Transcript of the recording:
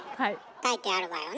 書いてあるわよね。